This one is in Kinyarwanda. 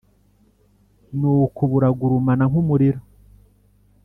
nuko buragurumana nk’umuriro.